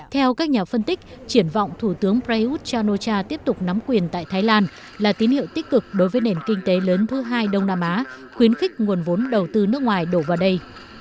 theo các nhà phân tích triển vọng thủ tướng prayuth chan o cha tiếp tục nắm quyền tại thái lan là tín hiệu tích cực đối với nền kinh tế lớn thứ hai đông nam á khuyến khích nguồn vốn đầu tư nước ngoài đổ vào đây